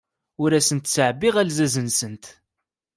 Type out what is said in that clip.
Ur asent-ttɛebbiɣ alzaz-nsent.